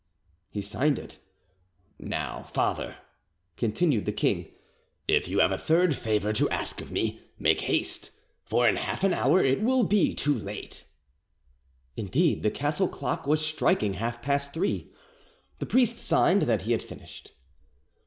He signed it. "Now, father," continued the king, "if you have a third favour to ask of me, make haste, for in half an hour it will be too late." Indeed, the castle clock was striking half past three. The priest signed that he had finished.